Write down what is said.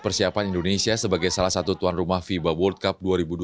persiapan indonesia sebagai salah satu tuan rumah fiba world cup dua ribu dua puluh